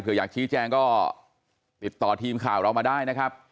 เพื่ออยากชี้แจงก็ติดต่อทีมข่าวเรามาได้นะครับ